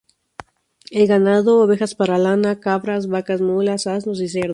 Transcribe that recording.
El ganado, ovejas para lana, cabras, vacas, mulas, asnos y cerdos.